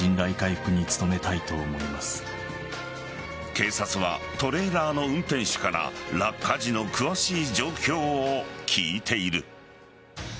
警察はトレーラーの運転手から落下時の詳しい状況を聞いている。